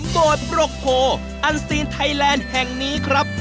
โกรธปรกโพอันซีนไทยแลนด์แห่งนี้ครับ